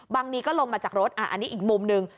นีก็ลงมาจากรถอันนี้อีกมุมหนึ่ง